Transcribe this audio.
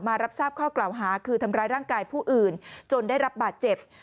รับทราบข้อกล่าวหาคือทำร้ายร่างกายผู้อื่นจนได้รับบาดเจ็บ